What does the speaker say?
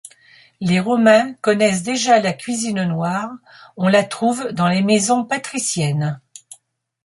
Les Romains connaissent déjà la cuisine noire, on la trouve dans les maisons patriciennes.